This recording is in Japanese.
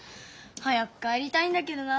早く帰りたいんだけどな。